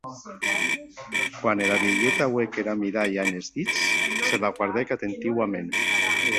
Quan era vielheta auec era midalha enes dits, se la guardèc atentiuament.